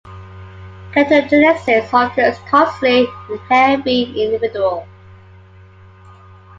Ketogenesis occurs constantly in a healthy individual.